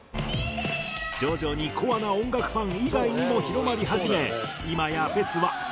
徐々にコアな音楽ファン以外にも広まり始め